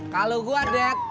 kalau gue dad